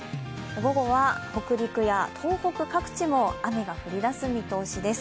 午後は北陸や東北各地も雨が降りだす見通しです。